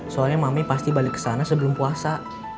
soalnya mami pasti balik kesana sebelum puasa